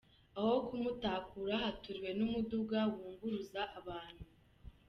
Aho ku Mutakura haturiwe n’umuduga wunguruza abantu.